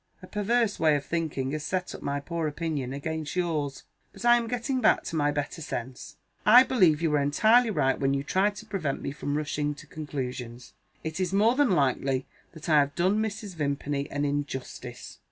"A perverse way of thinking has set up my poor opinion against yours. But I am getting back to my better sense. I believe you were entirely right when you tried to prevent me from rushing to conclusions; it is more than likely that I have done Mrs. Vimpany an injustice.